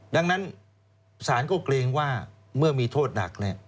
ดังนั้นศาลก็เกรงว่าเมื่อมีโทษหนัก